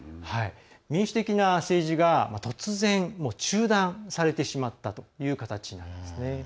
民主的な政治が突然中断されてしまったという形なんですね。